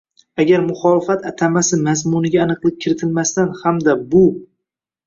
Agar, “muxolifat” atamasi mazmuniga aniqlik kiritilmasdan hamda bu